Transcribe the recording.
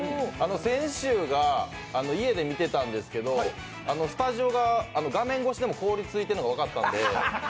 先週が家で見てたんですけど、スタジオが、画面越しでも凍りついてるのが分かったんで。